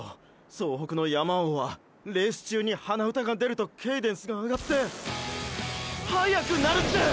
総北の山王はレース中に鼻歌が出るとケイデンスが上がって速くなるって！！